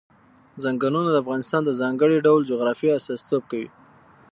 ځنګلونه د افغانستان د ځانګړي ډول جغرافیه استازیتوب کوي.